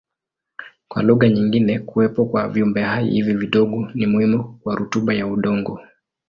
Kwa lugha nyingine kuwepo kwa viumbehai hivi vidogo ni muhimu kwa rutuba ya udongo.